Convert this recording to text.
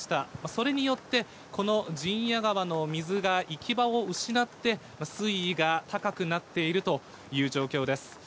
それによって、この陣屋川の水が行き場を失って、水位が高くなっているという状況です。